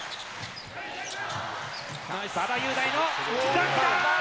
馬場雄大のダンクだ！